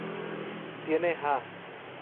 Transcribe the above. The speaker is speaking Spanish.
Tiene ha.